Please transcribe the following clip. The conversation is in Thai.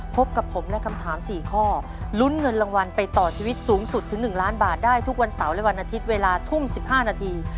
พบกับผมและคำถาม๔ข้อลุ้นเงินรางวัลไปต่อชีวิตสูงสุดถึง๑ล้านบาทได้ทุกวันเสาร์และวันอาทิตย์เวลาทุ่ม๑๕นาที